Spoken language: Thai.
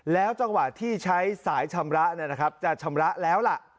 แล้วจังหวะที่ใช้สายชำระจะชำระแล้วล่ะ